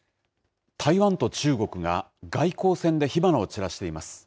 台湾と中国が外交戦で火花を散らしています。